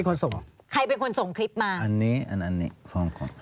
คนไหนเป็นคนส่งเหรออันนี้อันอันนี้สองคน